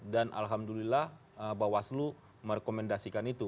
dan alhamdulillah bawaslu merekomendasikan itu